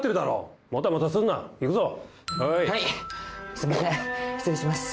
すみません失礼します。